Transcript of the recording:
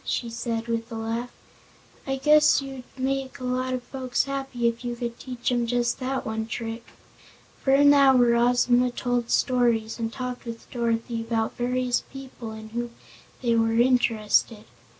she said with a laugh. "I guess you'd make a lot of folks happy if you could teach 'em just that one trick." For an hour Ozma told stories, and talked with Dorothy about various people in whom they were interested.